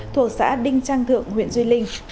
thuộc xã đinh trang thượng huyện di linh